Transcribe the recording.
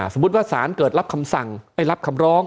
สมมุติว่าสารเกิดรับคำร้อง